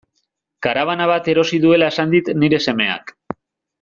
Karabana bat erosi duela esan dit nire semeak.